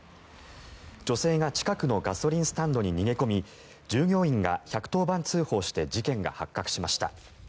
女性が近くのガソリンスタンドに逃げ込み従業員が１１０番通報して事件が発覚しました。